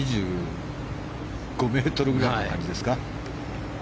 ２５ｍぐらいの感じですか。